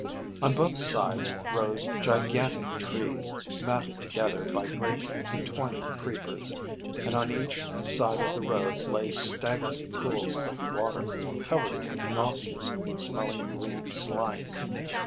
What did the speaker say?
On both sides rose gigantic trees, matted together by great entwining creepers, and on each side of the road lay stagnant pools of water, covered with nauseous smelling green slime.